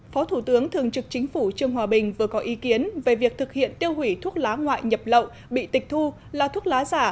phó thủ tướng thường trực chính phủ trương hòa bình vừa có ý kiến về việc thực hiện tiêu hủy thuốc lá ngoại nhập lậu bị tịch thu là thuốc lá giả